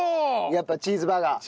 やっぱチーズバーガー？